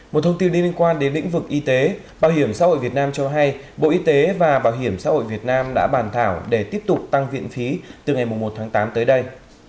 một thông tin liên quan đến lĩnh vực y tế bảo hiểm xã hội việt nam cho hay bộ y tế và bảo hiểm xã hội việt nam đã bàn thảo để tiếp tục tăng viện phí từ ngày một tháng tám tới đây